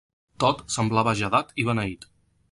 Tot semblava ja dat i beneït.